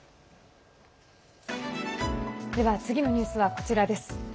では、次のニュースはこちらです。